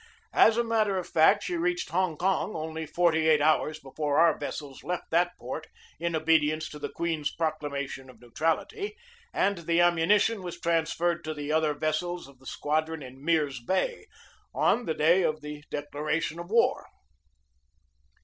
As a matter of fact, she reached Hong Kong only forty eight hours before our ves 172 GEORGE DEWEY sels left that port in obedience to the Queen's proc lamation of neutrality, and the ammunition was transferred to the other vessels of the squadron in Mirs Bay on the day of the declaration of war.